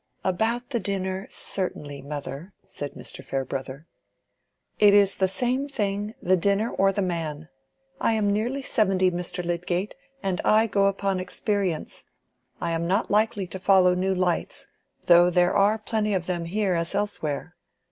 "About the dinner certainly, mother," said Mr. Farebrother. "It is the same thing, the dinner or the man. I am nearly seventy, Mr. Lydgate, and I go upon experience. I am not likely to follow new lights, though there are plenty of them here as elsewhere.